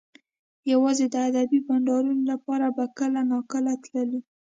یوازې د ادبي بنډارونو لپاره به کله ناکله تللو